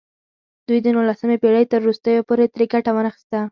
دوی د نولسمې پېړۍ تر وروستیو پورې ترې ګټه وانخیسته.